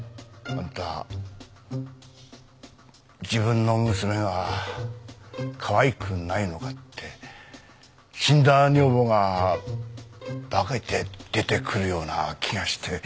あんたは自分の娘がかわいくないのかって死んだ女房が化けて出てくるような気がして。